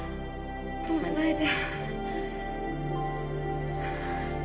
止めないで。